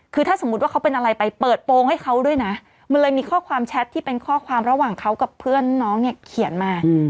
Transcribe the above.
คือถ้าสมมุติว่าเขาเป็นอะไรไปเปิดโปรงให้เขาด้วยนะมันเลยมีข้อความแชทที่เป็นข้อความระหว่างเขากับเพื่อนน้องเนี่ยเขียนมา